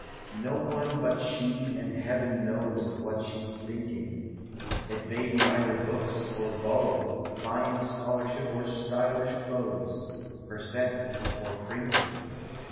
No one but she and Heaven knows Of what she 's thinking: It may be either books or beaux. Fine scholarship or stylish clothes, Per cents or prinking.